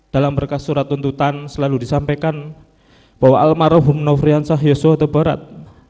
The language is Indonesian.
dalam berkas surat tuntutan selalu disampaikan bahwa almarhum nofriansah yosua tebarat